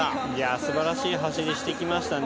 素晴らしい走りをしてきましたね。